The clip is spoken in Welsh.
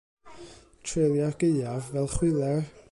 Treulia'r gaeaf fel chwiler.